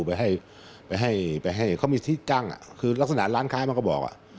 ไปให้เขามีที่ตั้งคือลักษณะร้านค้ามันก็บอก